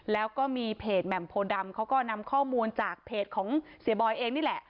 แล้วก็มีเพจแหม่มโพดำเขาก็นำข้อมูลจากเพจของเสียบอยเองนี่แหละ